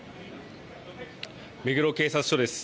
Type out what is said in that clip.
目黒警察署です。